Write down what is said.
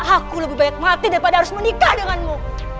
aku lebih banyak mati daripada harus menikah denganmu